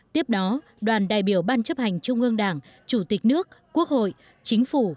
tiếp đó đoàn đại biểu ban chấp hành trung ương đảng chủ tịch nước quốc hội chính phủ